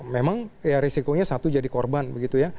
memang ya risikonya satu jadi korban begitu ya